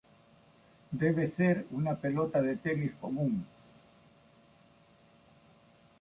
Debe ser una pelota de tenis común.